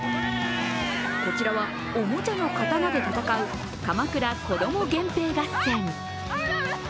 こちらは、おもちゃの刀で戦う鎌倉子ども源平合戦。